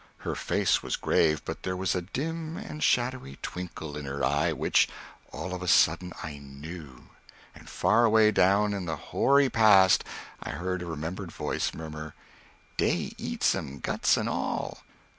Her face was grave, but there was a dim and shadowy twinkle in her eye which All of a sudden I knew! and far away down in the hoary past I heard a remembered voice murmur, "Dey eats 'em guts and all!"